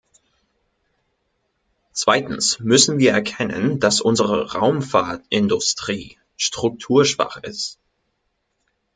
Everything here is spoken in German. Zweitens müssen wir erkennen, dass unsere Raumfahrindustrie strukturschwach ist.